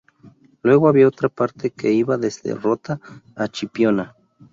Luego había otra parte que iba desde Rota a Chipiona.